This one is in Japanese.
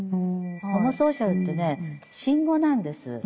ホモソーシャルってね新語なんです。